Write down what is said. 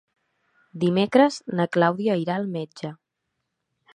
Dimecres na Clàudia irà al metge.